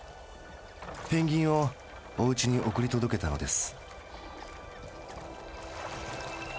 ペンギンをおうちに送り届けたのです。